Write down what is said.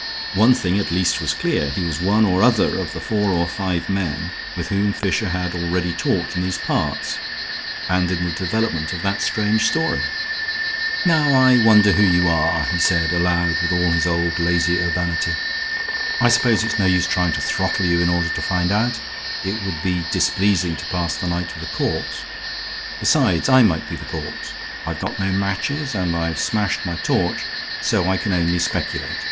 One thing at least was clear. He was one or other of the four or five men with whom Fisher had already talked in these parts, and in the development of that strange story. "Now I wonder who you are," he said, aloud, with all his old lazy urbanity. "I suppose it's no use trying to throttle you in order to find out; it would be displeasing to pass the night with a corpse. Besides I might be the corpse. I've got no matches and I've smashed my torch, so I can only speculate.